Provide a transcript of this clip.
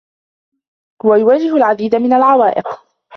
هو يواجه العديد من العوائق.